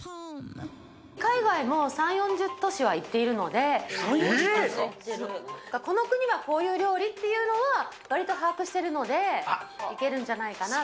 海外も３、４０都市は行って３、この国がこういう料理っていうのは、わりと把握してるので、いけるんじゃないかなと。